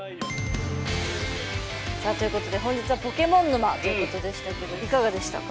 さあということで本日は「ポケモン沼」ということでしたけどいかがでしたか？